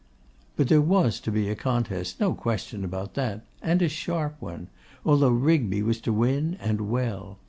But there was to be a contest; no question about that, and a sharp one, although Rigby was to win, and well.